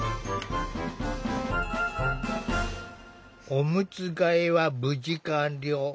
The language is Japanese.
おむつ替えは無事完了。